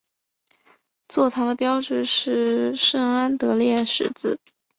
座堂的标志是圣安德烈十字。